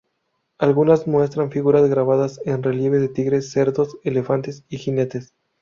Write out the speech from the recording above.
Algunas muestran figuras grabadas en relieve de tigres, cerdos, elefantes y jinetes.